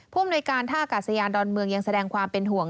อำนวยการท่ากาศยานดอนเมืองยังแสดงความเป็นห่วง